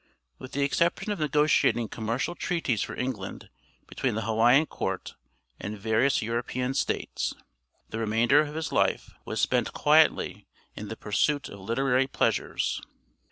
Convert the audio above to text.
With the exception of negotiating commercial treaties for England between the Hawaiian court and various European States, the remainder of his life was spent quietly in the pursuit of literary pleasures.